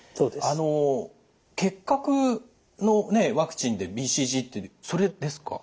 あの結核のねワクチンでＢＣＧってそれですか？